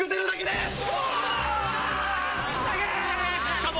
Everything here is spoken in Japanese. しかも。